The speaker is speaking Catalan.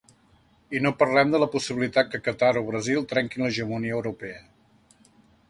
I no parlem de la possibilitat que Qatar o Brasil trenquin l’hegemonia europea.